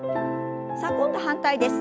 さあ今度反対です。